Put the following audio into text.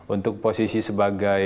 untuk posisi sebagai